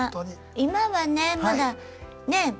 今はねまだねえ？